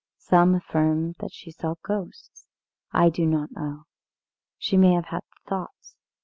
Some affirm that she saw ghosts. I do not know she may have had Thoughts.